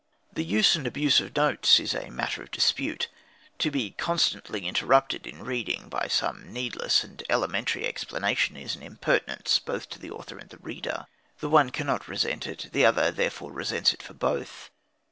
The use and abuse of notes is a matter of dispute. To be constantly interrupted in reading by some needless and elementary explanation is an impertinence both to the author and the reader: the one cannot resent it, the other therefore resents it for both.